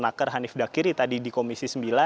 makar hanif dakiri tadi di komisi sembilan